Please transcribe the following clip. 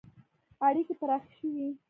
• اړیکې پراخې شوې.